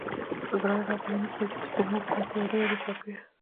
زړه نه راباندې سوزي، چې تر مونږ کوم هېوادونه دي چاپېره